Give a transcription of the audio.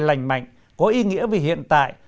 lành mạnh có ý nghĩa về hiện tại